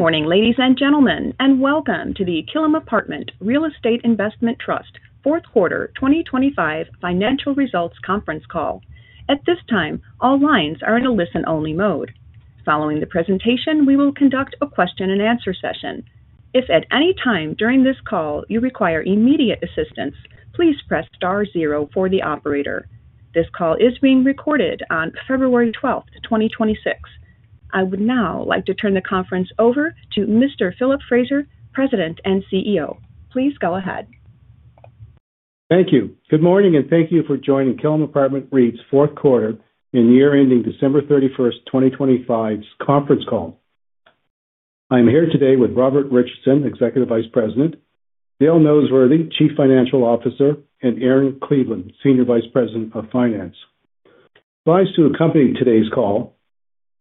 Good morning, ladies and gentlemen, and welcome to the Killam Apartment Real Estate Investment Trust fourth quarter 2025 financial results conference call. At this time, all lines are in a listen-only mode. Following the presentation, we will conduct a question-and-answer session. If at any time during this call you require immediate assistance, please press star zero for the operator. This call is being recorded on February 12, 2026. I would now like to turn the conference over to Mr. Philip Fraser, President and CEO. Please go ahead. Thank you. Good morning, and thank you for joining Killam Apartment REIT's fourth quarter and year-ending December 31, 2025's conference call. I'm here today with Robert Richardson, Executive Vice President, Dale Noseworthy, Chief Financial Officer, and Erin Cleveland, Senior Vice President of Finance. Slides to accompany today's call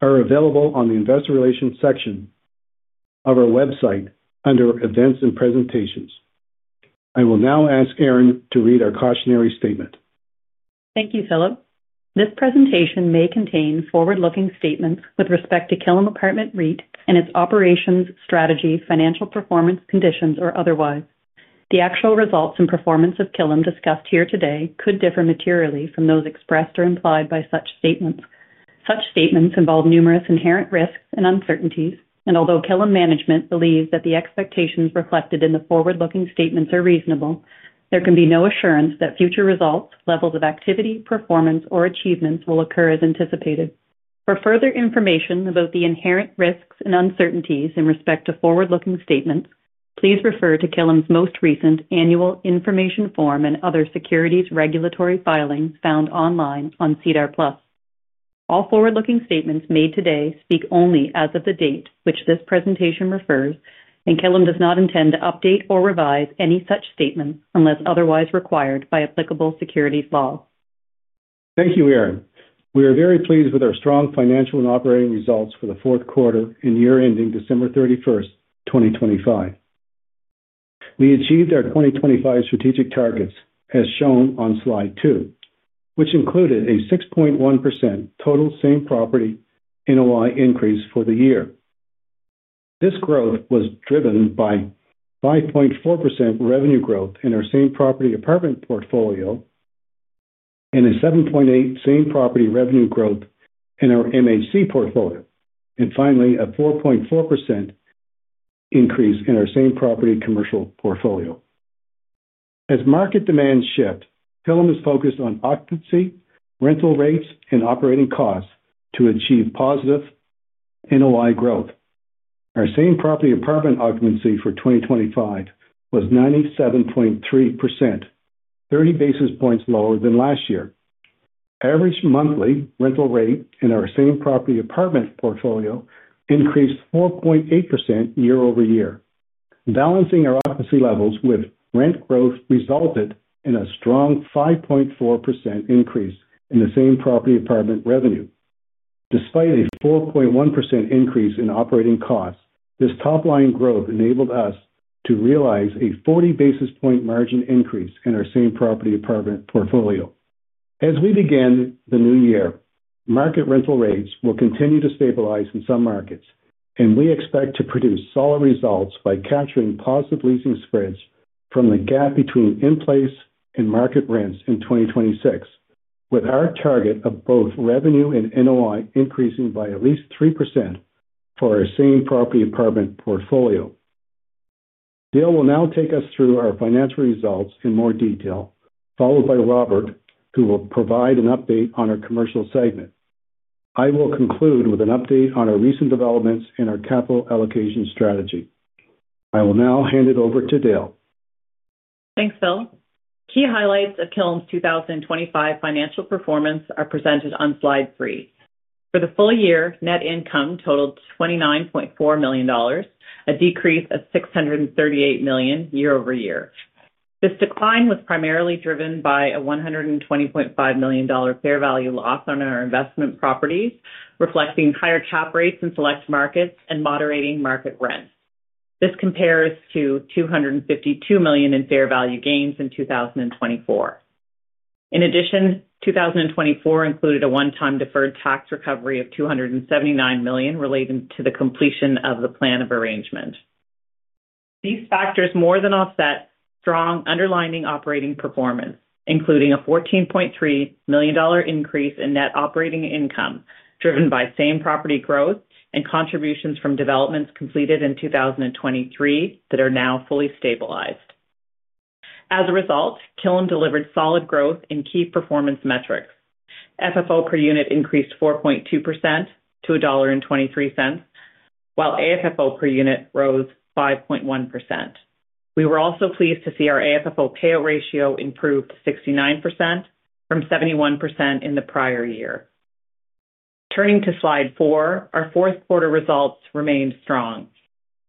are available on the investor relations section of our website under Events and Presentations. I will now ask Erin to read our cautionary statement. Thank you, Philip. This presentation may contain forward-looking statements with respect to Killam Apartment REIT and its operations, strategy, financial performance, conditions, or otherwise. The actual results and performance of Killam discussed here today could differ materially from those expressed or implied by such statements. Such statements involve numerous inherent risks and uncertainties, and although Killam management believes that the expectations reflected in the forward-looking statements are reasonable, there can be no assurance that future results, levels of activity, performance, or achievements will occur as anticipated. For further information about the inherent risks and uncertainties in respect to forward-looking statements, please refer to Killam's most recent annual information form and other securities regulatory filings found online on SEDAR+. All forward-looking statements made today speak only as of the date which this presentation refers, and Killam does not intend to update or revise any such statements unless otherwise required by applicable securities laws. Thank you, Erin. We are very pleased with our strong financial and operating results for the fourth quarter and year-ending December 31, 2025. We achieved our 2025 strategic targets, as shown on slide 2, which included a 6.1% total same property NOI increase for the year. This growth was driven by 5.4% revenue growth in our same property apartment portfolio and a 7.8 same property revenue growth in our MHC portfolio, and finally, a 4.4% increase in our same property commercial portfolio. As market demands shift, Killam is focused on occupancy, rental rates, and operating costs to achieve positive NOI growth. Our same property apartment occupancy for 2025 was 97.3%, 30 basis points lower than last year. Average monthly rental rate in our same property apartment portfolio increased 4.8% year-over-year. Balancing our occupancy levels with rent growth resulted in a strong 5.4% increase in the same property apartment revenue. Despite a 4.1% increase in operating costs, this top-line growth enabled us to realize a 40 basis point margin increase in our same property apartment portfolio. As we begin the new year, market rental rates will continue to stabilize in some markets, and we expect to produce solid results by capturing positive leasing spreads from the gap between in-place and market rents in 2026, with our target of both revenue and NOI increasing by at least 3% for our same property apartment portfolio. Dale will now take us through our financial results in more detail, followed by Robert, who will provide an update on our commercial segment. I will conclude with an update on our recent developments and our capital allocation strategy. I will now hand it over to Dale. Thanks, Phil. Key highlights of Killam's 2025 financial performance are presented on slide 3. For the full year, net income totaled 29.4 million dollars, a decrease of 638 million year-over-year. This decline was primarily driven by a 120.5 million dollar fair value loss on our investment properties, reflecting higher cap rates in select markets and moderating market rents. This compares to 252 million in fair value gains in 2024. In addition, 2024 included a one-time deferred tax recovery of 279 million relating to the completion of the plan of arrangement. These factors more than offset strong underlying operating performance, including a 14.3 million dollar increase in net operating income, driven by same property growth and contributions from developments completed in 2023 that are now fully stabilized. As a result, Killam delivered solid growth in key performance metrics. FFO per unit increased 4.2% to 1.23 dollar, while AFFO per unit rose 5.1%. We were also pleased to see our AFFO payout ratio improve to 69% from 71% in the prior year. Turning to slide 4, our fourth quarter results remained strong.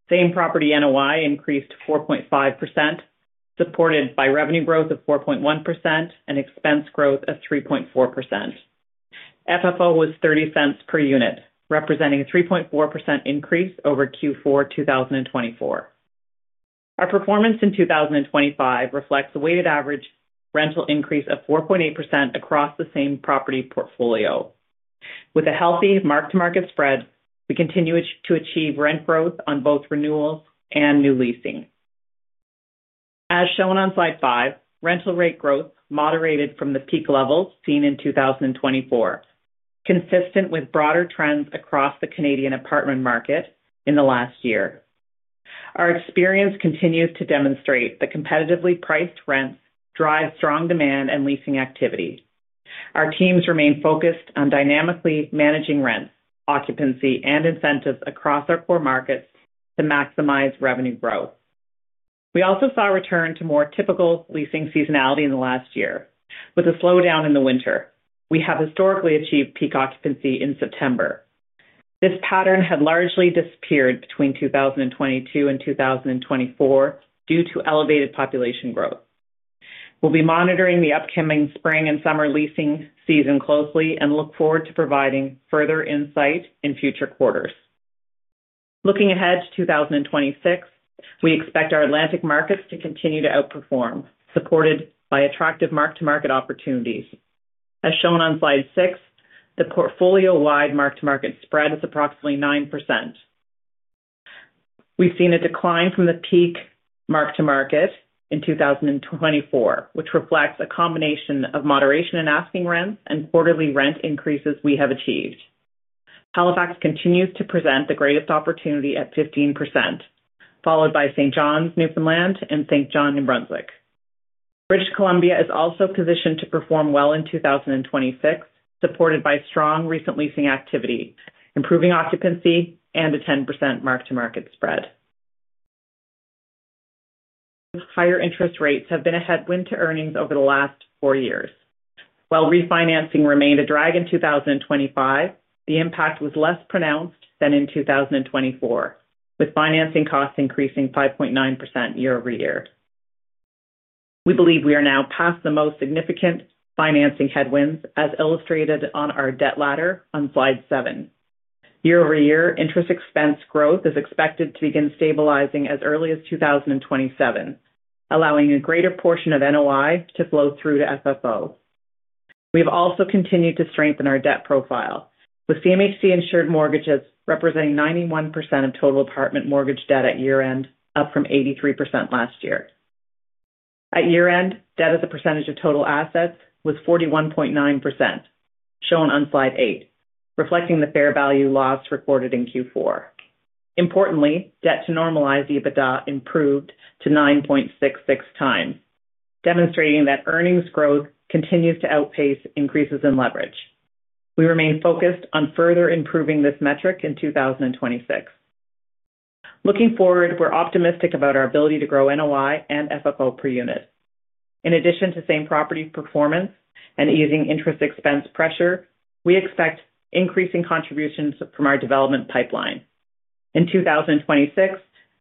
Same property NOI increased 4.5%, supported by revenue growth of 4.1% and expense growth of 3.4%. FFO was 0.30 per unit, representing a 3.4% increase over Q4 2024. Our performance in 2025 reflects a weighted average rental increase of 4.8% across the same property portfolio. With a healthy Mark-to-Market Spread, we continue to achieve rent growth on both renewals and new leasing. As shown on slide 5, rental rate growth moderated from the peak levels seen in 2024, consistent with broader trends across the Canadian apartment market in the last year. Our experience continues to demonstrate that competitively priced rents drive strong demand and leasing activity. Our teams remain focused on dynamically managing rents, occupancy, and incentives across our core markets to maximize revenue growth. We also saw a return to more typical leasing seasonality in the last year, with a slowdown in the winter. We have historically achieved peak occupancy in September. This pattern had largely disappeared between 2022 and 2024 due to elevated population growth. We'll be monitoring the upcoming spring and summer leasing season closely and look forward to providing further insight in future quarters. Looking ahead to 2026, we expect our Atlantic markets to continue to outperform, supported by attractive mark-to-market opportunities. As shown on slide 6, the portfolio-wide mark-to-market spread is approximately 9%. We've seen a decline from the peak mark-to-market in 2024, which reflects a combination of moderation in asking rents and quarterly rent increases we have achieved. Halifax continues to present the greatest opportunity at 15%, followed by St. John's, Newfoundland, and St. John, New Brunswick. British Columbia is also positioned to perform well in 2026, supported by strong recent leasing activity, improving occupancy, and a 10% mark-to-market spread. Higher interest rates have been a headwind to earnings over the last 4 years. While refinancing remained a drag in 2025, the impact was less pronounced than in 2024, with financing costs increasing 5.9% year-over-year. We believe we are now past the most significant financing headwinds, as illustrated on our debt ladder on slide 7. Year-over-year, interest expense growth is expected to begin stabilizing as early as 2027, allowing a greater portion of NOI to flow through to FFO. We've also continued to strengthen our debt profile, with CMHC insured mortgages representing 91% of total apartment mortgage debt at year-end, up from 83% last year. At year-end, debt as a percentage of total assets was 41.9%, shown on slide 8, reflecting the fair value loss recorded in Q4. Importantly, debt to normalized EBITDA improved to 9.66x, demonstrating that earnings growth continues to outpace increases in leverage. We remain focused on further improving this metric in 2026. Looking forward, we're optimistic about our ability to grow NOI and FFO per unit. In addition to same property performance and easing interest expense pressure, we expect increasing contributions from our development pipeline. In 2026,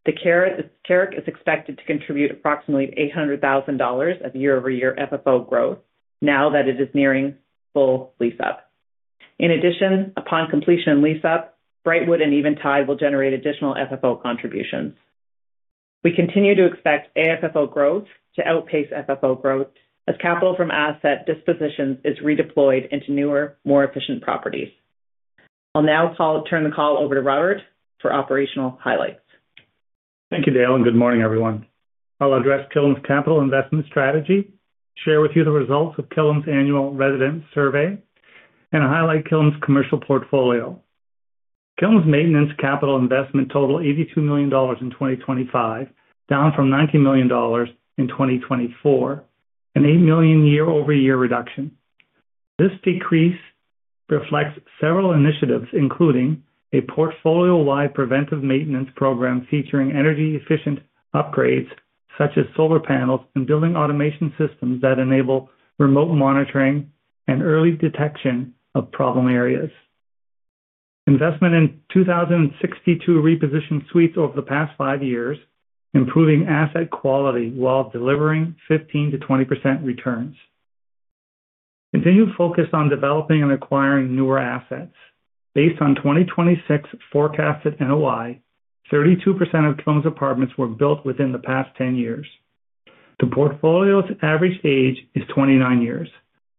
the Carrick is expected to contribute approximately 800,000 dollars of year-over-year FFO growth now that it is nearing full lease-up. In addition, upon completion and lease-up, Brightwood and Eventide will generate additional FFO contributions. We continue to expect AFFO growth to outpace FFO growth, as capital from asset dispositions is redeployed into newer, more efficient properties. I'll now turn the call over to Robert for operational highlights. Thank you, Dale, and good morning, everyone. I'll address Killam's capital investment strategy, share with you the results of Killam's annual resident survey, and highlight Killam's commercial portfolio. Killam's maintenance capital investment totaled 82 million dollars in 2025, down from 90 million dollars in 2024, a 8 million year-over-year reduction. This decrease reflects several initiatives, including a portfolio-wide preventive maintenance program featuring energy-efficient upgrades such as solar panels and building automation systems that enable remote monitoring and early detection of problem areas. Investment in 2,062 repositioned suites over the past 5 years, improving asset quality while delivering 15%-20% returns. Continued focus on developing and acquiring newer assets. Based on 2026 forecasted NOI, 32% of Killam's apartments were built within the past 10 years. The portfolio's average age is 29 years,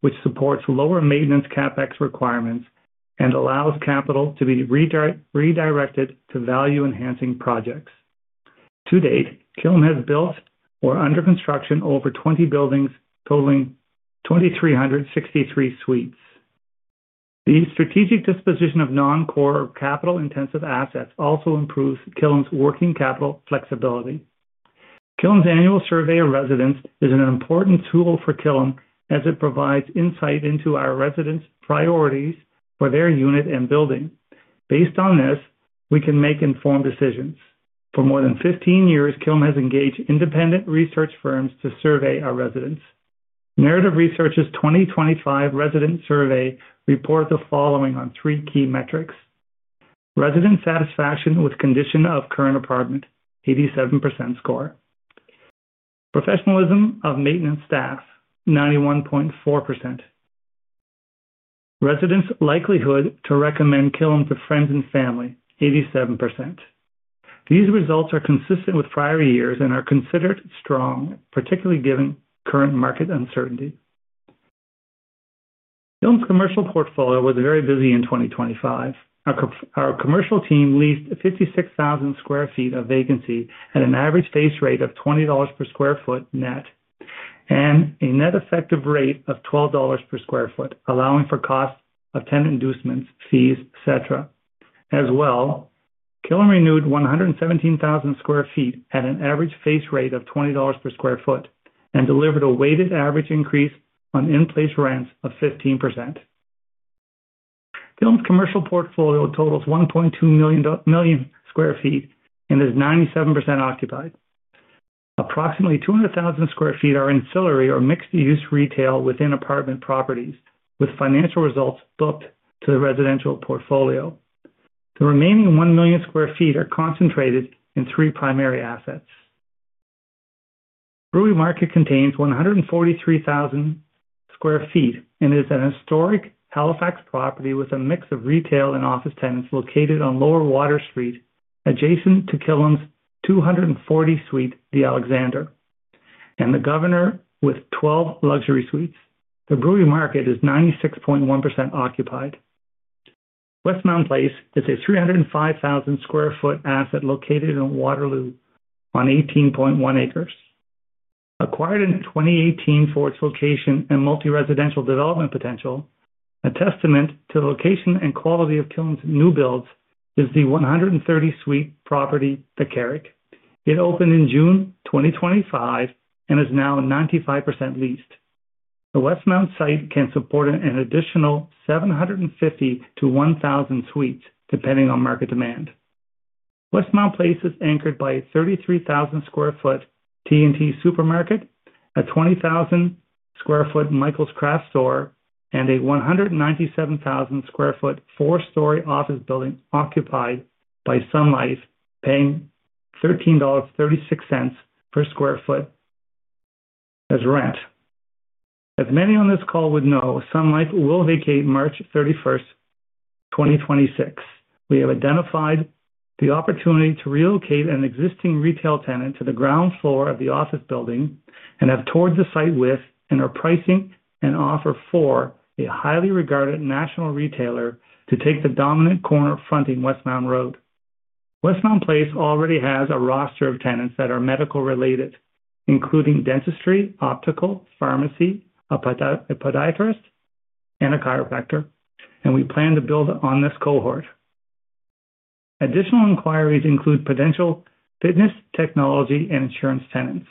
which supports lower maintenance CapEx requirements and allows capital to be redirected to value-enhancing projects. To date, Killam has built or under construction over 20 buildings, totaling 2,363 suites. The strategic disposition of non-core capital-intensive assets also improves Killam's working capital flexibility. Killam's annual survey of residents is an important tool for Killam, as it provides insight into our residents' priorities for their unit and building. Based on this, we can make informed decisions. For more than 15 years, Killam has engaged independent research firms to survey our residents. Narrative Research's 2025 resident survey report the following on three key metrics: resident satisfaction with condition of current apartment, 87% score; professionalism of maintenance staff, 91.4%;... Residents' likelihood to recommend Killam to friends and family, 87%. These results are consistent with prior years and are considered strong, particularly given current market uncertainty. Killam's commercial portfolio was very busy in 2025. Our commercial team leased 56,000 sq ft of vacancy at an average base rate of 20 dollars per sq ft net, and a net effective rate of 12 dollars per sq ft, allowing for costs of tenant inducements, fees, et cetera. As well, Killam renewed 117,000 sq ft at an average face rate of 20 dollars per sq ft and delivered a weighted average increase on in-place rents of 15%. Killam's commercial portfolio totals 1.2 million sq ft and is 97% occupied. Approximately 200,000 sq ft are ancillary or mixed-use retail within apartment properties, with financial results booked to the residential portfolio. The remaining 1 million sq ft are concentrated in three primary assets. Brewery Market contains 143,000 sq ft and is an historic Halifax property with a mix of retail and office tenants located on Lower Water Street, adjacent to Killam's 240-suite The Alexander, and The Governor, with 12 luxury suites. The Brewery Market is 96.1% occupied. Westmount Place is a 305,000 sq ft asset located in Waterloo on 18.1 acres. Acquired in 2018 for its location and multi-residential development potential, a testament to the location and quality of Killam's new builds is the 130-suite property, The Carrick. It opened in June 2025 and is now 95% leased. The Westmount site can support an additional 750-1,000 suites, depending on market demand. Westmount Place is anchored by a 33,000 sq ft T&T Supermarket, a 20,000 sq ft Michaels crafts store, and a 197,000 sq ft 4-story office building occupied by Sun Life, paying 13.36 dollars per sq ft as rent. As many on this call would know, Sun Life will vacate March 31, 2026. We have identified the opportunity to relocate an existing retail tenant to the ground floor of the office building and have toured the site with, and are pricing an offer for a highly regarded national retailer to take the dominant corner fronting Westmount Road. Westmount Place already has a roster of tenants that are medical-related, including dentistry, optical, pharmacy, a podiatrist, and a chiropractor, and we plan to build on this cohort. Additional inquiries include potential fitness, technology, and insurance tenants.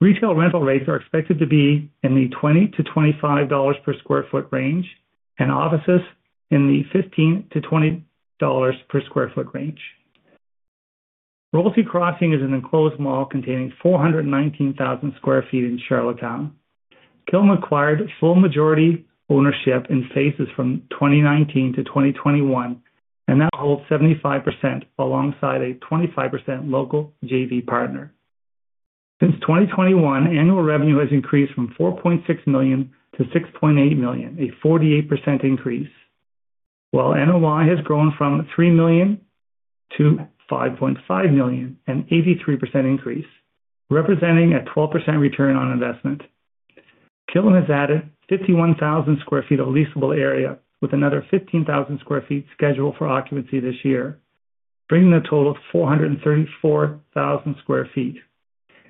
Retail rental rates are expected to be in the 20-25 dollars per sq ft range, and offices in the 15-20 dollars per sq ft range. Royalty Crossing is an enclosed mall containing 419,000 sq ft in Charlottetown. Killam acquired full majority ownership in phases from 2019 to 2021, and now holds 75% alongside a 25% local JV partner. Since 2021, annual revenue has increased from 4.6 million to 6.8 million, a 48% increase, while NOI has grown from 3 million to 5.5 million, an 83% increase, representing a 12% return on investment. Killam has added 51,000 sq ft of leasable area with another 15,000 sq ft scheduled for occupancy this year, bringing the total to 434,000 sq ft.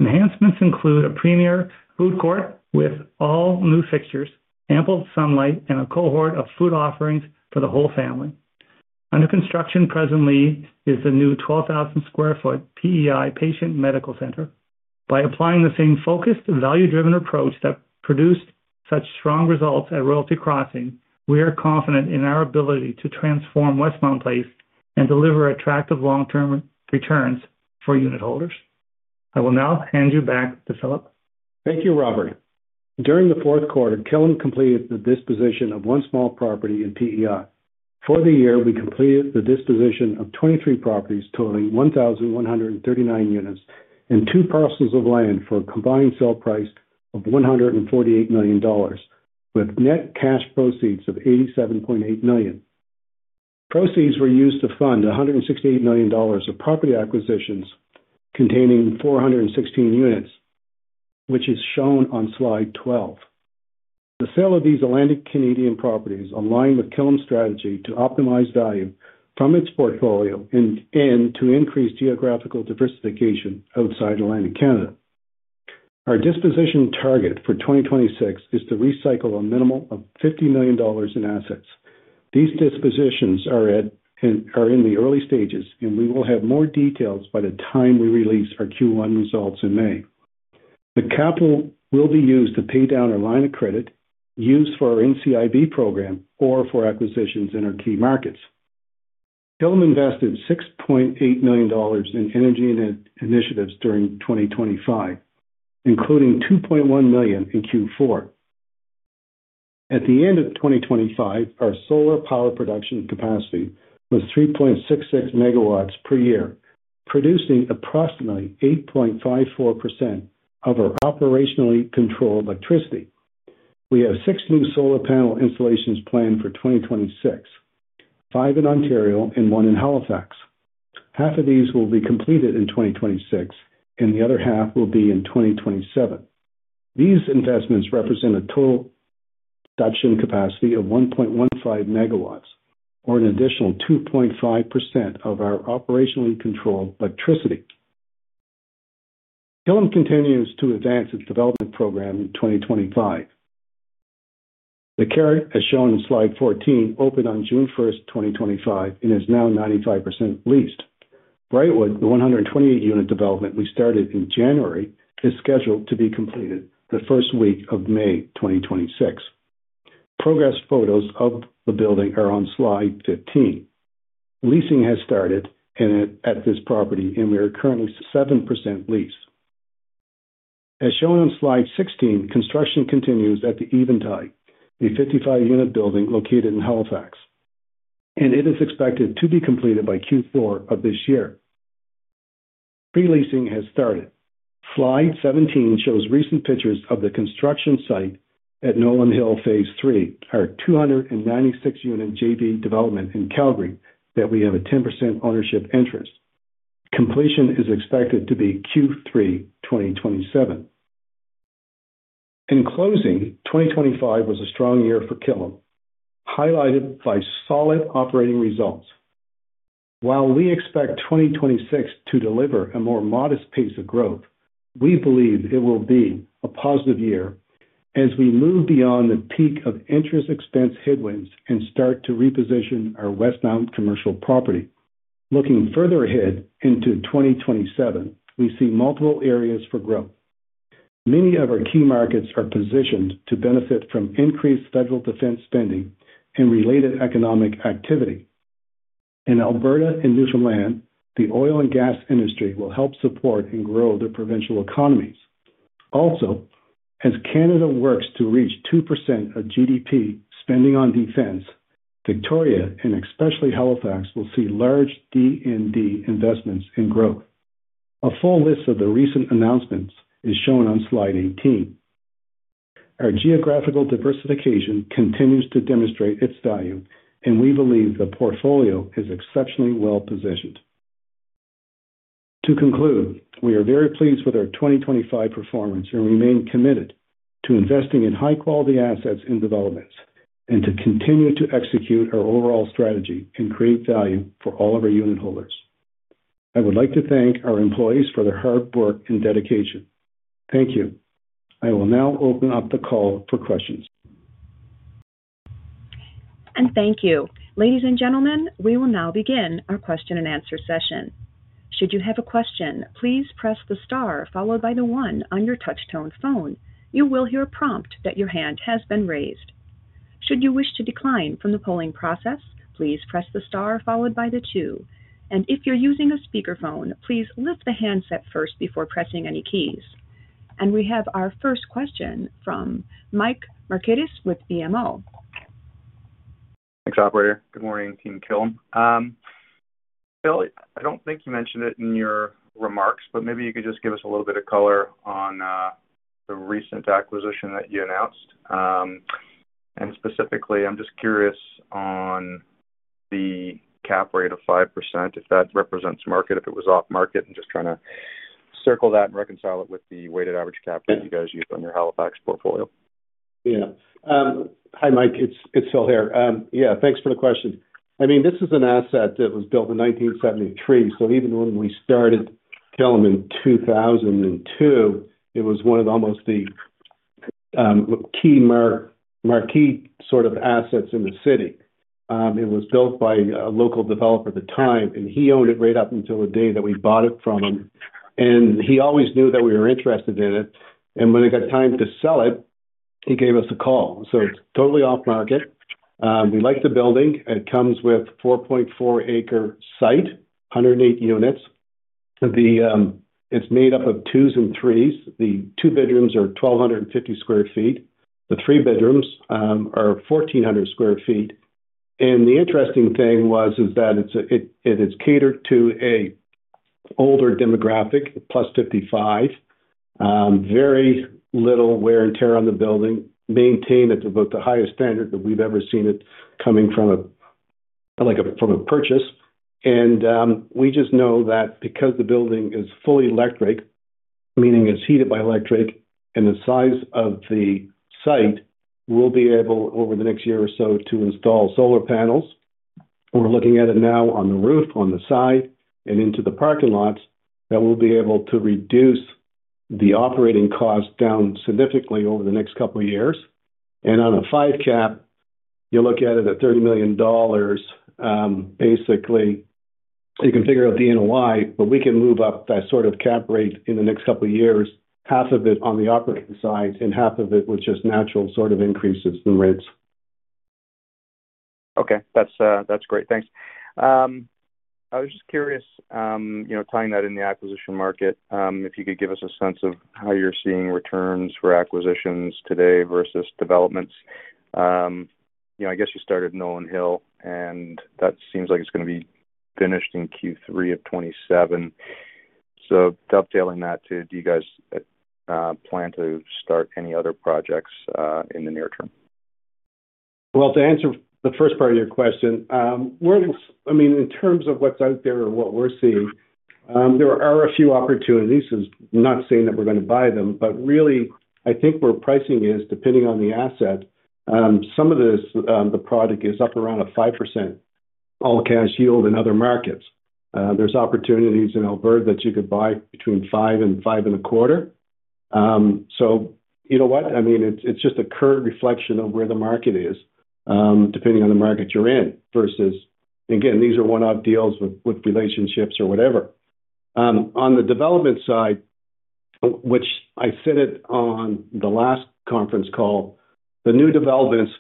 Enhancements include a premier food court with all new fixtures, ample sunlight, and a cohort of food offerings for the whole family. Under construction presently is the new 12,000 sq ft PEI Patient Medical Center. By applying the same focused, value-driven approach that produced such strong results at Royalty Crossing, we are confident in our ability to transform Westmount Place and deliver attractive long-term returns for unitholders. I will now hand you back to Philip. Thank you, Robert. During the fourth quarter, Killam completed the disposition of one small property in PEI. For the year, we completed the disposition of 23 properties, totaling 1,139 units and two parcels of land for a combined sale price of 148 million dollars, with net cash proceeds of 87.8 million. Proceeds were used to fund 168 million dollars of property acquisitions containing 416 units, which is shown on slide 12. The sale of these Atlantic Canadian properties align with Killam's strategy to optimize value from its portfolio and to increase geographical diversification outside Atlantic Canada. Our disposition target for 2026 is to recycle a minimum of 50 million dollars in assets. These dispositions are in the early stages, and we will have more details by the time we release our Q1 results in May. The capital will be used to pay down our line of credit, used for our NCIB program or for acquisitions in our key markets. Killam invested 6.8 million dollars in energy initiatives during 2025, including 2.1 million in Q4. At the end of 2025, our solar power production capacity was 3.66 megawatts per year, producing approximately 8.54% of our operationally controlled electricity. We have 6 new solar panel installations planned for 2026, 5 in Ontario and 1 in Halifax. Half of these will be completed in 2026, and the other half will be in 2027. These investments represent a total production capacity of 1.15 megawatts, or an additional 2.5% of our operationally controlled electricity. Killam continues to advance its development program in 2025. The Carrick, as shown in slide 14, opened on June 1, 2025, and is now 95% leased. Brightwood, the 128-unit development we started in January, is scheduled to be completed the first week of May 2026. Progress photos of the building are on slide 15. Leasing has started and at this property, and we are currently 7% leased. As shown on slide 16, construction continues at the Eventide, a 55-unit building located in Halifax, and it is expected to be completed by Q4 of this year. Pre-leasing has started. Slide 17 shows recent pictures of the construction site at Nolan Hill, phase 3, our 296-unit JV development in Calgary, that we have a 10% ownership interest. Completion is expected to be Q3 2027. In closing, 2025 was a strong year for Killam, highlighted by solid operating results. While we expect 2026 to deliver a more modest pace of growth, we believe it will be a positive year as we move beyond the peak of interest expense headwinds and start to reposition our Westmount commercial property. Looking further ahead into 2027, we see multiple areas for growth. Many of our key markets are positioned to benefit from increased federal defense spending and related economic activity. In Alberta and Newfoundland, the oil and gas industry will help support and grow their provincial economies. Also, as Canada works to reach 2% of GDP spending on defense, Victoria and especially Halifax will see large DND investments in growth. A full list of the recent announcements is shown on slide 18. Our geographical diversification continues to demonstrate its value, and we believe the portfolio is exceptionally well positioned. To conclude, we are very pleased with our 2025 performance and remain committed to investing in high quality assets and developments, and to continue to execute our overall strategy and create value for all of our unitholders. I would like to thank our employees for their hard work and dedication. Thank you. I will now open up the call for questions. And thank you. Ladies and gentlemen, we will now begin our question and answer session. Should you have a question, please press the star followed by the one on your touchtone phone. You will hear a prompt that your hand has been raised. Should you wish to decline from the polling process, please press the star followed by the two, and if you're using a speakerphone, please lift the handset first before pressing any keys. And we have our first question from Mike Markidis with BMO. Thanks, operator. Good morning, team Killam. Bill, I don't think you mentioned it in your remarks, but maybe you could just give us a little bit of color on, the recent acquisition that you announced. And specifically, I'm just curious on the Cap Rate of 5%, if that represents market, if it was off market, I'm just trying to circle that and reconcile it with the weighted average Cap Rate you guys use on your Halifax portfolio. Yeah. Hi, Mike. It's, it's Phil here. Yeah, thanks for the question. I mean, this is an asset that was built in 1973, so even when we started Killam in 2002, it was one of almost the key marquee sort of assets in the city. It was built by a local developer at the time, and he owned it right up until the day that we bought it from him. And he always knew that we were interested in it, and when it got time to sell it, he gave us a call. So it's totally off market. We like the building. It comes with 4.4 acre site, 108 units. It's made up of twos and threes. The two bedrooms are 1,250 sq ft. The three bedrooms are 1,400 sq ft. The interesting thing was, is that it's, it, it is catered to an older demographic, 55+. Very little wear and tear on the building, maintained at about the highest standard that we've ever seen it coming from a, like a, from a purchase. We just know that because the building is fully electric, meaning it's heated by electric and the size of the site, we'll be able, over the next year or so, to install solar panels. We're looking at it now on the roof, on the side, and into the parking lots, that we'll be able to reduce the operating costs down significantly over the next couple of years. On a 5 cap, you look at it at 30 million dollars, basically, you can figure out the NOI, but we can move up that sort of cap rate in the next couple of years, half of it on the operating side and half of it with just natural sort of increases in rents. Okay. That's great. Thanks. I was just curious, you know, tying that in the acquisition market, if you could give us a sense of how you're seeing returns for acquisitions today versus developments? You know, I guess you started Nolan Hill, and that seems like it's gonna be finished in Q3 of 2027. So dovetailing that to, do you guys plan to start any other projects in the near term? Well, to answer the first part of your question, we're, I mean, in terms of what's out there or what we're seeing, there are a few opportunities. Not saying that we're gonna buy them, but really, I think where pricing is, depending on the asset, some of this, the product is up around a 5% all-cash yield in other markets. There's opportunities in Alberta that you could buy between 5% and 5.25%. So you know what? I mean, it's, it's just a current reflection of where the market is, depending on the market you're in, versus, again, these are one-off deals with, with relationships or whatever. On the development side, which I said it on the last conference call, the new developments,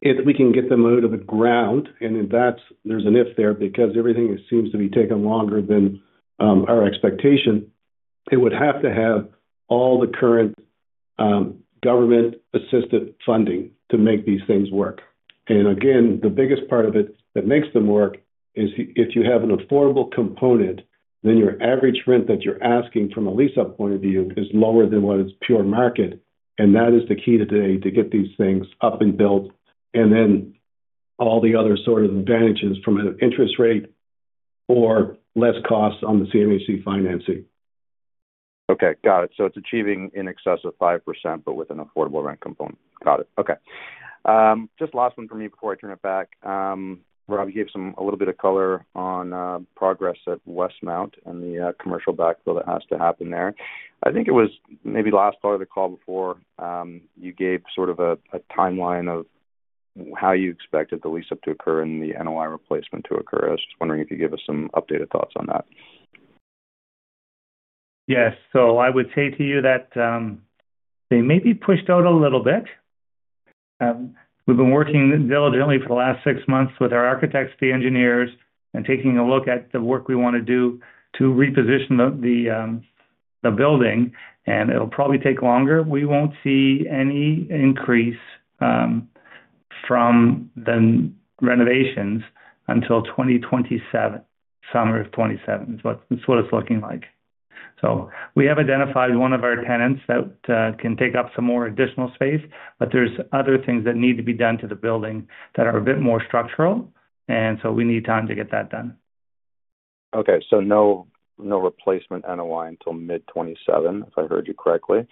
if we can get them out of the ground, and then that's, there's an if there, because everything seems to be taking longer than our expectation. It would have to have all the current government-assisted funding to make these things work. And again, the biggest part of it that makes them work is if you have an affordable component, then your average rent that you're asking from a lease-up point of view is lower than what is pure market, and that is the key today to get these things up and built, and then all the other sort of advantages from an interest rate or less costs on the CMHC financing. Okay, got it. So it's achieving in excess of 5%, but with an affordable rent component. Got it. Okay. Just last one for me before I turn it back. Rob, you gave some, a little bit of color on, progress at Westmount and the, commercial backfill that has to happen there. I think it was maybe last part of the call before, you gave sort of a, a timeline of how you expected the lease-up to occur and the NOI replacement to occur. I was just wondering if you could give us some updated thoughts on that. Yes. So I would say to you that, they may be pushed out a little bit. We've been working diligently for the last six months with our architects, the engineers, and taking a look at the work we wanna do to reposition the building, and it'll probably take longer. We won't see any increase from the renovations until 2027. Summer of 2027 is what it's looking like. So we have identified one of our tenants that can take up some more additional space, but there's other things that need to be done to the building that are a bit more structural, and so we need time to get that done. Okay. So no, no replacement NOI until mid-2027, if I heard you correctly.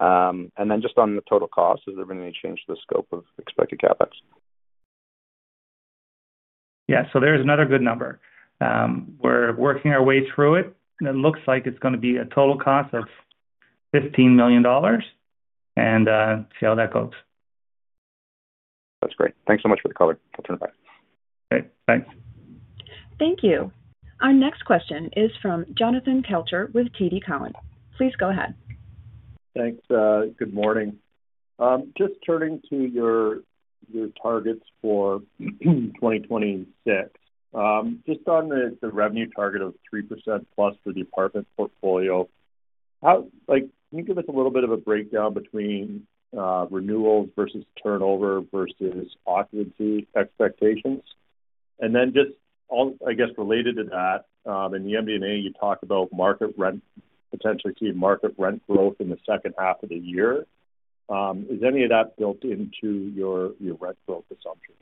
And then just on the total cost, is there gonna be any change to the scope of expected CapEx? Yeah. So there is another good number. We're working our way through it, and it looks like it's gonna be a total cost of 15 million dollars, and see how that goes. That's great. Thanks so much for the color. I'll turn it back. Okay, thanks. Thank you. Our next question is from Jonathan Kelcher with TD Cowen. Please go ahead. Thanks. Good morning. Just turning to your targets for 2026. Just on the revenue target of 3%+ for the apartment portfolio, how—like, can you give us a little bit of a breakdown between renewals versus turnover versus occupancy expectations? And then just, I guess, related to that, in the MD&A, you talked about market rent - potentially seeing market rent growth in the second half of the year. Is any of that built into your rent growth assumption?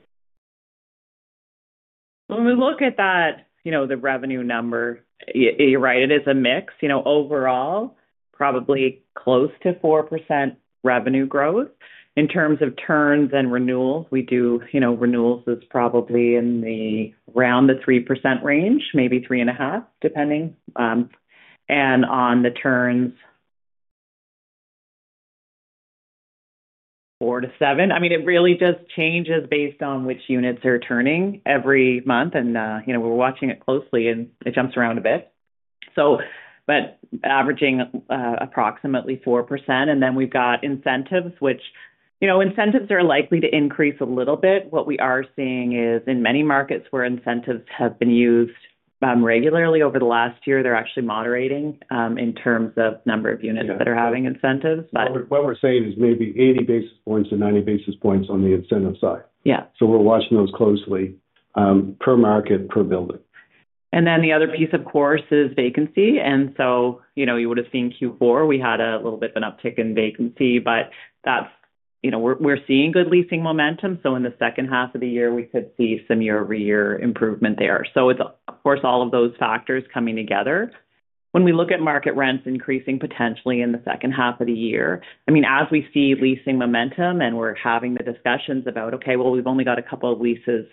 When we look at that, you know, the revenue number, you're right, it is a mix. You know, overall, probably close to 4% revenue growth. In terms of turns and renewals, we do, you know, renewals is probably in the around the 3% range, maybe 3.5, depending. And on the turns, 4-7. I mean, it really just changes based on which units are turning every month, and, you know, we're watching it closely, and it jumps around a bit. So, but averaging approximately 4%. And then we've got incentives, which, you know, incentives are likely to increase a little bit. What we are seeing is, in many markets where incentives have been used regularly over the last year, they're actually moderating in terms of number of units that are having incentives, but- What we're saying is maybe 80-90 basis points on the incentive side. Yeah. We're watching those closely, per market, per building. And then the other piece, of course, is vacancy. So, you know, you would have seen Q4, we had a little bit of an uptick in vacancy, but that's. You know, we're seeing good leasing momentum, so in the second half of the year, we could see some year-over-year improvement there. So it's, of course, all of those factors coming together. When we look at market rents increasing potentially in the second half of the year, I mean, as we see leasing momentum and we're having the discussions about, okay, well, we've only got a couple of leases,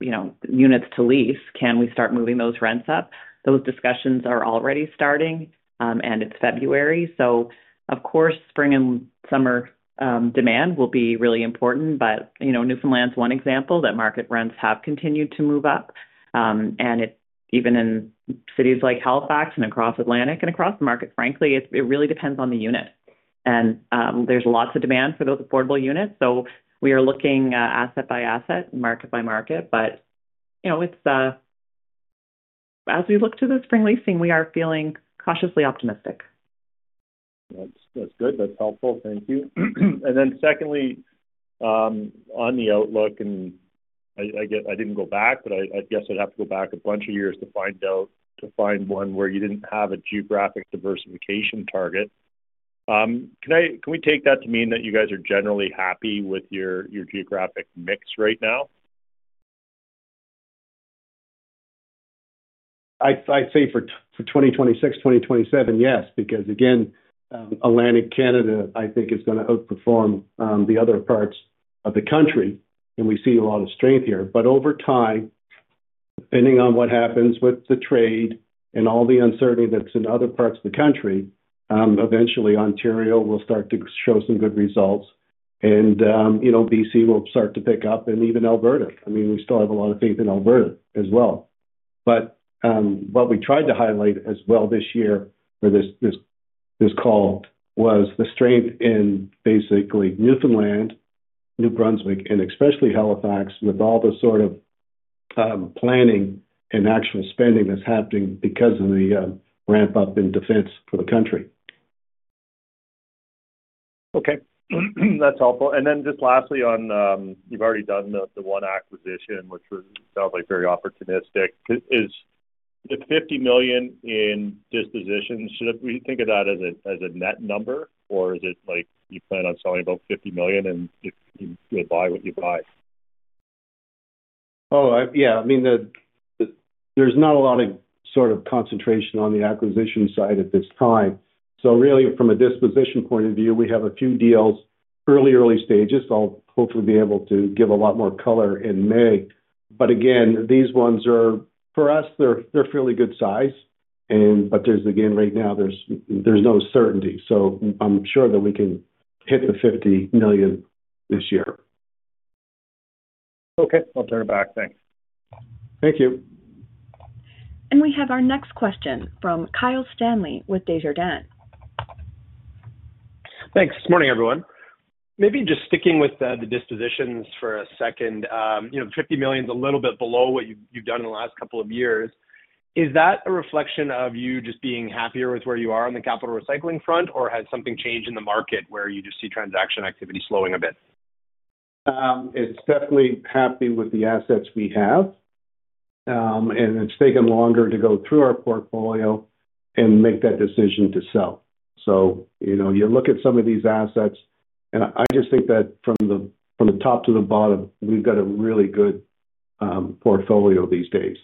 you know, units to lease, can we start moving those rents up? Those discussions are already starting, and it's February. So of course, spring and summer demand will be really important, but, you know, Newfoundland is one example that market rents have continued to move up. Even in cities like Halifax and across Atlantic and across the market, frankly, it really depends on the unit. And there's lots of demand for those affordable units, so we are looking asset by asset, market by market, but you know, it's. So as we look to the spring leasing, we are feeling cautiously optimistic. That's, that's good. That's helpful. Thank you. And then secondly, on the outlook, I didn't go back, but I guess I'd have to go back a bunch of years to find out, to find one where you didn't have a geographic diversification target. Can we take that to mean that you guys are generally happy with your geographic mix right now? I'd say for 2026, 2027, yes, because again, Atlantic Canada, I think, is going to outperform the other parts of the country, and we see a lot of strength here. But over time, depending on what happens with the trade and all the uncertainty that's in other parts of the country, eventually Ontario will start to show some good results. And, you know, BC will start to pick up, and even Alberta. I mean, we still have a lot of faith in Alberta as well. But, what we tried to highlight as well this year for this call was the strength in basically Newfoundland, New Brunswick, and especially Halifax, with all the sort of planning and actual spending that's happening because of the ramp up in defense for the country. Okay. That's helpful. And then just lastly on, you've already done the one acquisition, which was, sounds like very opportunistic. Is the 50 million in dispositions, should we think of that as a, as a net number? Or is it like you plan on selling about 50 million, and you, you buy what you buy? Oh, yeah. I mean, there's not a lot of sort of concentration on the acquisition side at this time. So really, from a disposition point of view, we have a few deals in early stages. I'll hopefully be able to give a lot more color in May. But again, these ones are, for us, they're fairly good size. But there's, again, right now there's no certainty. So I'm sure that we can hit the 50 million this year. Okay. I'll turn it back. Thanks. Thank you. We have our next question from Kyle Stanley with Desjardins. Thanks. Morning, everyone. Maybe just sticking with, the dispositions for a second. You know, 50 million is a little bit below what you, you've done in the last couple of years. Is that a reflection of you just being happier with where you are on the capital recycling front? Or has something changed in the market where you just see transaction activity slowing a bit? It's definitely happy with the assets we have. And it's taken longer to go through our portfolio and make that decision to sell. So, you know, you look at some of these assets, and I just think that from the top to the bottom, we've got a really good portfolio these days.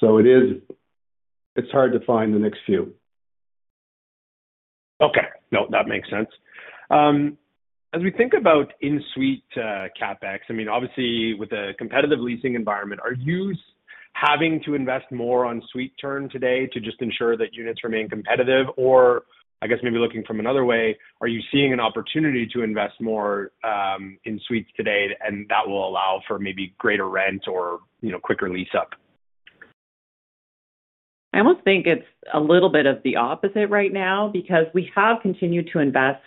So it is, it's hard to find the next few. Okay. No, that makes sense. As we think about in-suite CapEx, I mean, obviously with a competitive leasing environment, are you having to invest more on suite turn today to just ensure that units remain competitive? Or I guess maybe looking from another way, are you seeing an opportunity to invest more in suites today, and that will allow for maybe greater rent or, you know, quicker lease-up? I almost think it's a little bit of the opposite right now because we have continued to invest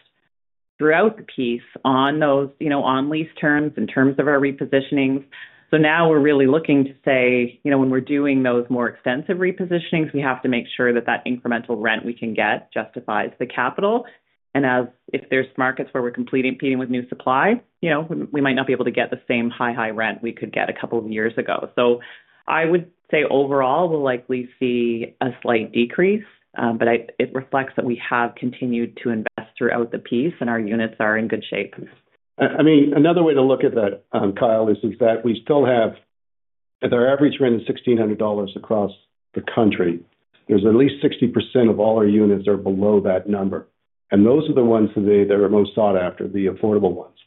throughout the piece on those, you know, on lease terms in terms of our repositionings. So now we're really looking to say, you know, when we're doing those more extensive repositionings, we have to make sure that that incremental rent we can get justifies the capital. And as if there's markets where we're completing, competing with new supply, you know, we might not be able to get the same high, high rent we could get a couple of years ago. So I would say overall, we'll likely see a slight decrease, but it reflects that we have continued to invest throughout the piece, and our units are in good shape. I mean, another way to look at that, Kyle, is that we still have if our average rent is 1,600 dollars across the country, there's at least 60% of all our units are below that number. And those are the ones today that are most sought after, the affordable ones.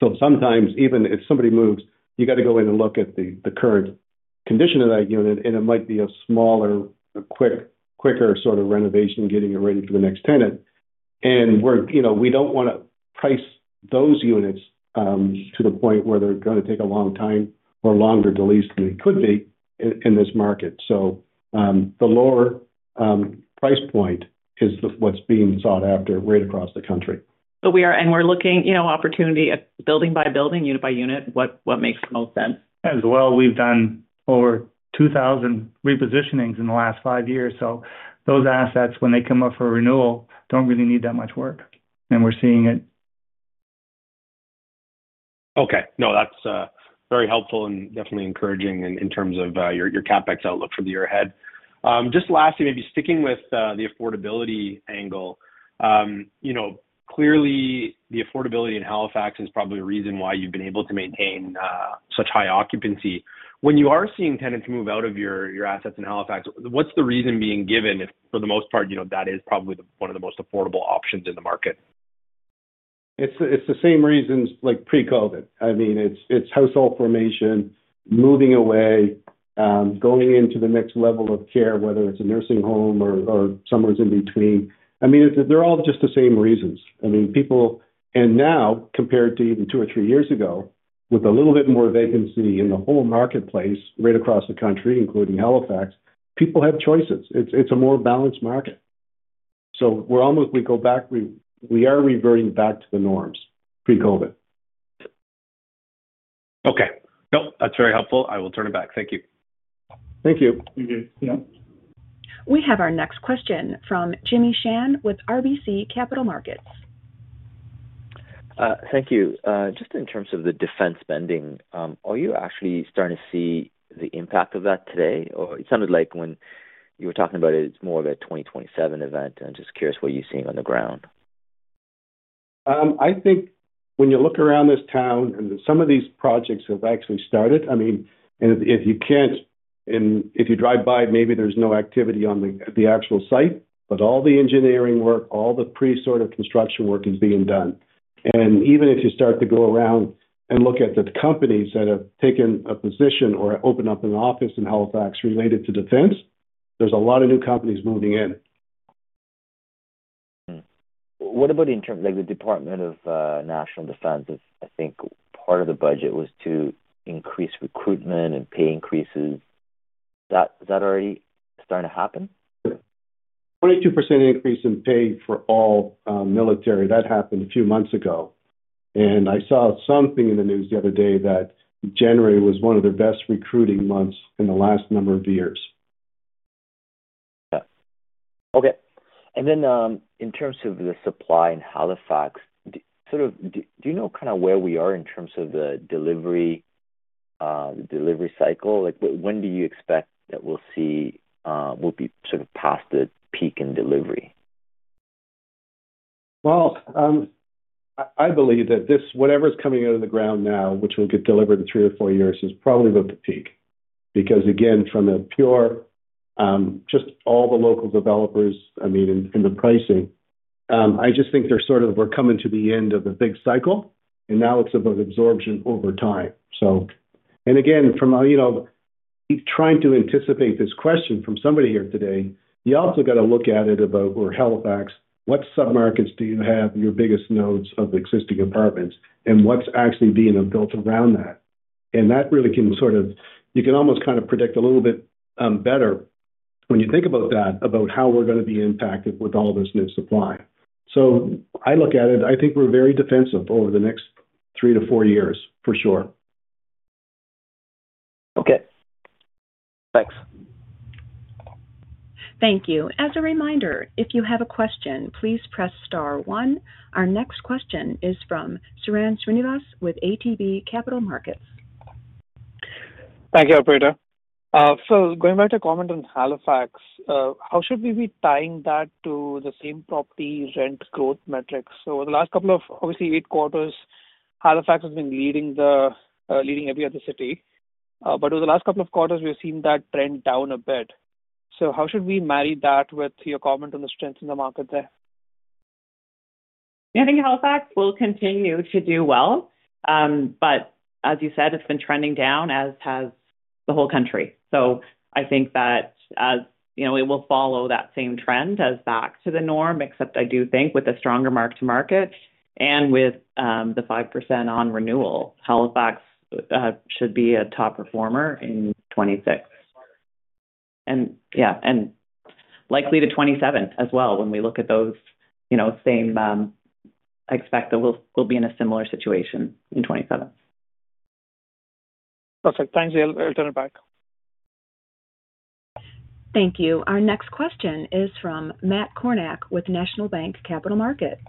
So sometimes, even if somebody moves, you got to go in and look at the current condition of that unit, and it might be a smaller, quicker sort of renovation, getting it ready for the next tenant. And we're, you know, we don't want to price those units to the point where they're going to take a long time or longer to lease than they could be in this market. So, the lower price point is what's being sought after right across the country. We are, and we're looking, you know, opportunity at building by building, unit by unit, what makes the most sense. As well, we've done over 2,000 repositionings in the last 5 years, so those assets, when they come up for renewal, don't really need that much work, and we're seeing it. Okay. No, that's very helpful and definitely encouraging in terms of your CapEx outlook for the year ahead. Just lastly, maybe sticking with the affordability angle, you know, clearly the affordability in Halifax is probably a reason why you've been able to maintain such high occupancy. When you are seeing tenants move out of your assets in Halifax, what's the reason being given, if for the most part, you know, that is probably the one of the most affordable options in the market? It's the same reasons like pre-COVID. I mean, it's household formation, moving away, going into the next level of care, whether it's a nursing home or somewhere in between. I mean, they're all just the same reasons. I mean, people. And now, compared to even two or three years ago, with a little bit more vacancy in the whole marketplace, right across the country, including Halifax, people have choices. It's a more balanced market. So we're almost we go back, we are reverting back to the norms pre-COVID.... Okay. Nope, that's very helpful. I will turn it back. Thank you. Thank you. Thank you. We have our next question from Jimmy Shan with RBC Capital Markets. Thank you. Just in terms of the defense spending, are you actually starting to see the impact of that today? Or it sounded like when you were talking about it, it's more of a 2027 event. I'm just curious what you're seeing on the ground. I think when you look around this town, and some of these projects have actually started, I mean, and if you drive by, maybe there's no activity on the actual site, but all the engineering work, all the pre-sort of construction work is being done. And even if you start to go around and look at the companies that have taken a position or opened up an office in Halifax related to defense, there's a lot of new companies moving in. Hmm. What about in terms—like, the Department of National Defence? I think part of the budget was to increase recruitment and pay increases. That, is that already starting to happen? 22% increase in pay for all military. That happened a few months ago, and I saw something in the news the other day that January was one of their best recruiting months in the last number of years. Yeah. Okay. And then, in terms of the supply in Halifax, sort of, do you know kind of where we are in terms of the delivery, the delivery cycle? Like, when do you expect that we'll see, we'll be sort of past the peak in delivery? Well, I believe that this, whatever is coming out of the ground now, which will get delivered in three or four years, is probably about the peak. Because, again, from a pure, just all the local developers, I mean, and the pricing, I just think they're sort of, we're coming to the end of the big cycle, and now it's about absorption over time, so. And again, from a, you know, trying to anticipate this question from somebody here today, you also got to look at it about, we're Halifax. What submarkets do you have in your biggest nodes of existing apartments, and what's actually being built around that? And that really can sort of... You can almost kind of predict a little bit, better when you think about that, about how we're going to be impacted with all this new supply. I look at it, I think we're very defensive over the next 3-4 years, for sure. Okay. Thanks. Thank you. As a reminder, if you have a question, please press star one. Our next question is from Sairam Srinivas with ATB Capital Markets. Thank you, operator. So going back to comment on Halifax, how should we be tying that to the same property rent growth metrics? So over the last couple of, obviously, eight quarters, Halifax has been leading the, leading every other city. But over the last couple of quarters, we've seen that trend down a bit. So how should we marry that with your comment on the strength in the market there? I think Halifax will continue to do well, but as you said, it's been trending down, as has the whole country. So I think that as, you know, it will follow that same trend as back to the norm, except I do think with a stronger mark-to-market and with the 5% on renewal, Halifax should be a top performer in 2026. And yeah, and likely to 2027 as well when we look at those, you know, same. I expect that we'll be in a similar situation in 2027. Perfect. Thanks. I'll turn it back. Thank you. Our next question is from Matt Kornack with National Bank Capital Markets.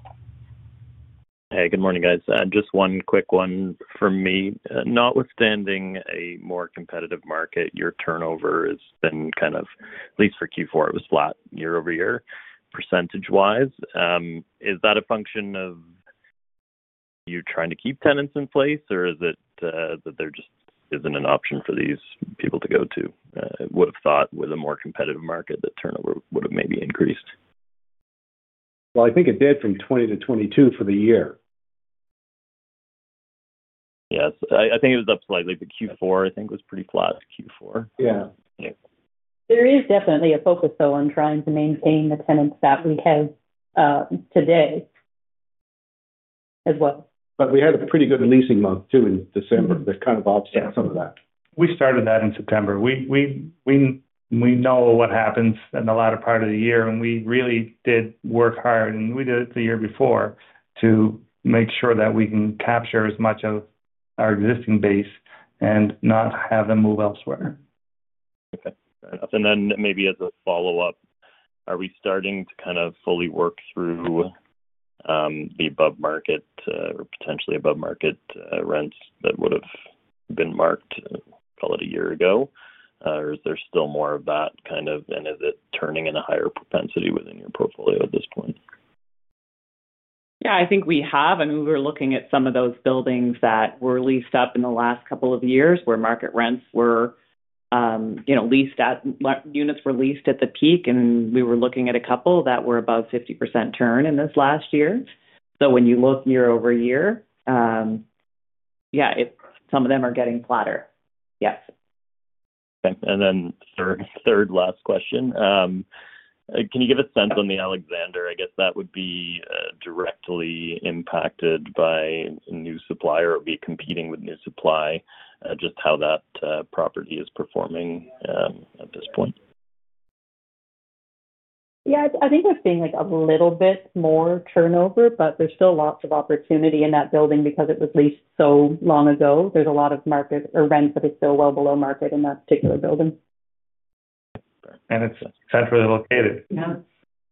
Hey, good morning, guys. Just one quick one from me. Notwithstanding a more competitive market, your turnover has been kind of, at least for Q4, it was flat year-over-year, percentage-wise. Is that a function of you trying to keep tenants in place, or is it that there just isn't an option for these people to go to? I would have thought with a more competitive market, that turnover would have maybe increased. Well, I think it did from 2020-2022 for the year. Yes, I think it was up slightly, but Q4, I think, was pretty flat. Yeah. There is definitely a focus, though, on trying to maintain the tenants that we have, today as well. We had a pretty good leasing month, too, in December. That kind of offset some of that. We started that in September. We know what happens in the latter part of the year, and we really did work hard, and we did it the year before, to make sure that we can capture as much of our existing base and not have them move elsewhere. Okay. And then maybe as a follow-up, are we starting to kind of fully work through the above market, or potentially above-market, rents that would have been marked, call it a year ago? Or is there still more of that kind of, and is it turning in a higher propensity within your portfolio at this point? Yeah, I think we have, and we were looking at some of those buildings that were leased up in the last couple of years, where market rents were, you know, units were leased at the peak, and we were looking at a couple that were above 50% turn in this last year. So when you look year-over-year, yeah, some of them are getting flatter. Yes. Okay. And then third, third last question. Can you give a sense on The Alexander? I guess that would be directly impacted by new supply or it would be competing with new supply. Just how that property is performing at this point. Yeah, I think there's been, like, a little bit more turnover, but there's still lots of opportunity in that building because it was leased so long ago. There's a lot of mark-to-market rent that is still well below market in that particular building. It's centrally located. Yeah.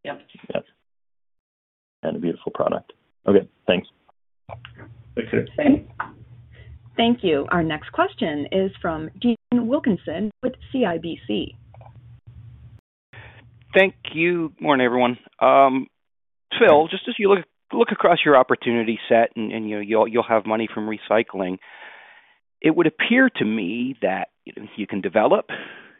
Yep. Yep. And a beautiful product. Okay, thanks. Thanks. Thanks. Thank you. Our next question is from Dean Wilkinson with CIBC. Thank you. Morning, everyone. Phil, just as you look across your opportunity set and, and you know, you'll have money from recycling, it would appear to me that you can develop,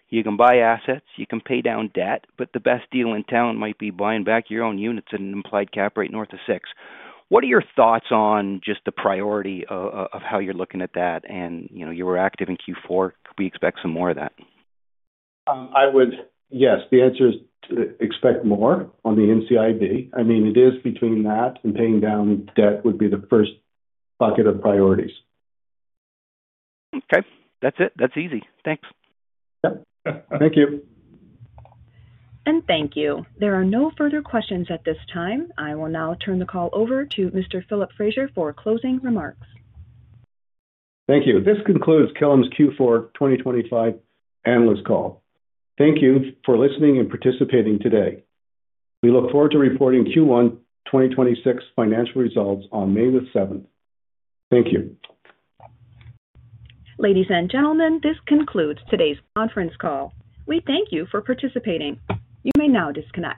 you can buy assets, you can pay down debt, but the best deal in town might be buying back your own units at an implied cap rate north of six. What are your thoughts on just the priority of how you're looking at that? And, you know, you were active in Q4. Can we expect some more of that? Yes, the answer is to expect more on the NCIB. I mean, it is between that and paying down debt would be the first bucket of priorities. Okay. That's it. That's easy. Thanks. Yep. Thank you. Thank you. There are no further questions at this time. I will now turn the call over to Mr. Philip Fraser for closing remarks. Thank you. This concludes Killam's Q4 2025 analyst call. Thank you for listening and participating today. We look forward to reporting Q1 2026 financial results on May the seventh. Thank you. Ladies and gentlemen, this concludes today's conference call. We thank you for participating. You may now disconnect.